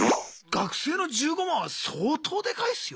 学生の１５万は相当でかいっすよ。